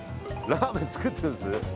ラーメン作ってみます？